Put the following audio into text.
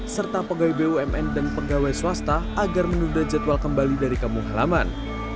serta pegawai bumn dan pegawai swasta agar menunda jadwal kembali dari kampung halaman